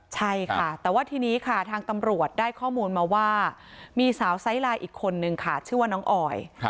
ใช่ค่ะแต่ว่าทีนี้ค่ะทางตำรวจได้ข้อมูลมาว่ามีสาวไซไลน์อีกคนนึงค่ะชื่อว่าน้องออย